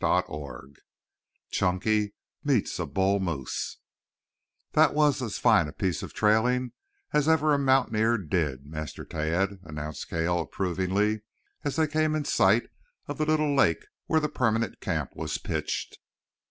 CHAPTER XII CHUNKY MEETS A BULL MOOSE "That was as fine a piece of trailing as ever a mountaineer did, Master Tad," announced Cale approvingly as they came in sight of the little lake where the permanent camp was pitched.